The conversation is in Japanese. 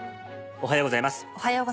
おはようございます。